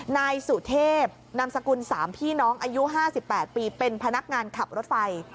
นายสุเทพนามสกุล๓พี่น้องอายุ๕๘ปีเป็นพนักงานขับรถไฟ